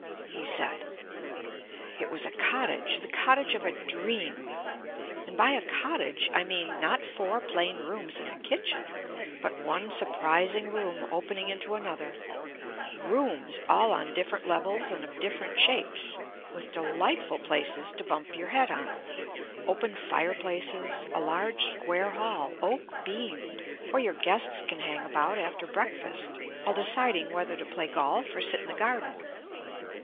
we said. It was a cottage, the cottage of a dream. And by a cottage I mean, not four plain rooms and a kitchen, but one surprising room opening into another; rooms all on different levels and of different shapes, with delightful places to bump your head on; open fireplaces; a large square hall, oak beamed, where your guests can hang about after breakfast, while deciding whether to play golf or sit in the garden.